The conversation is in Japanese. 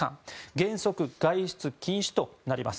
原則、外出禁止となります。